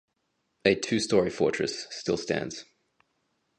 A two-story fortress still stands.